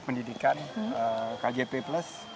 pendidikan kjp plus